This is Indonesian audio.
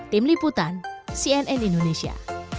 tim liputan cnn indonesia